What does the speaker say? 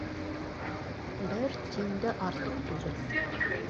Бер тин дә артыҡ түгел!